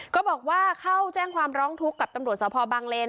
ก็บอกว่าเข้าแจ้งความร้องทุกข์กับตำรวจสภบางเลน